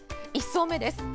１層目です。